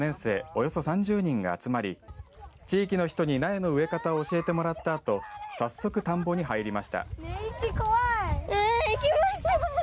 およそ３０人が集まり地域の人に苗の植え方を教えてもらったあと早速、田んぼに入りました。